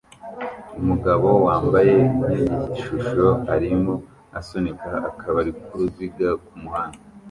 Umugabo wambaye nkigishusho arimo asunika akabari k'uruziga kumuhanda